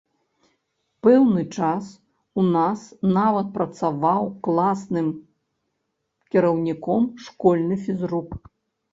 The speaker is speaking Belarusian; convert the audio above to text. Пэўны час у нас нават працаваў класным кіраўніком школьны фізрук.